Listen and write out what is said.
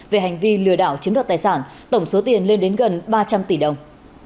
về hành vi lừa đảo chiếm đoạt tài sản tổng số tiền lên đến gần ba trăm linh tỷ đồng